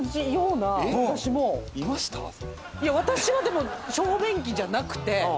私はでも小便器じゃなくて。